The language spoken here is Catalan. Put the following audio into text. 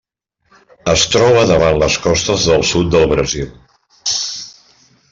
Es troba davant les costes del sud del Brasil.